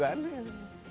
katie tarik ke tempat ini